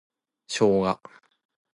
ショウガ